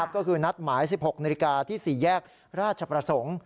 ก็คือนัดหมาย๑๖นาฬิกาที่๔แยกราชประสงค์